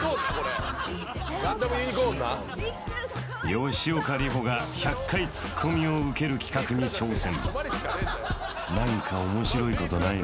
吉岡里帆が１００回ツッコミを受ける企画に挑戦。